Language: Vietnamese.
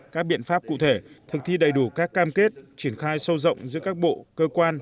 các biện pháp cụ thể thực thi đầy đủ các cam kết triển khai sâu rộng giữa các bộ cơ quan